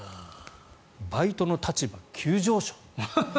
バイトの立場急上昇。